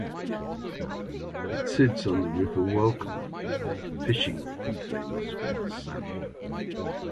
It sits on the River Walkham, a fishing river famous for its salmon.